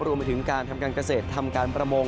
รวมไปถึงการทำการเกษตรทำการประมง